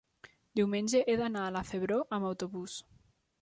diumenge he d'anar a la Febró amb autobús.